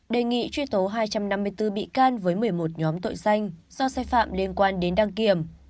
đề nghị truy tố hai trăm năm mươi bốn bị can với một mươi một nhóm tội danh do sai phạm liên quan đến đăng kiểm